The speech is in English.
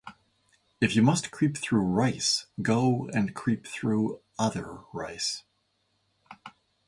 If you must creep through rice, go and creep through other rice.